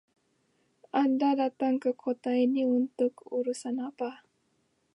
Anda datang ke kota ini untuk urusan apa?